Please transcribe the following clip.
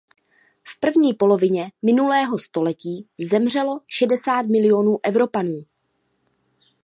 V první polovině minulého století zemřelo šedesát milionů Evropanů.